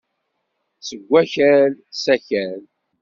Seg wakal, s akal.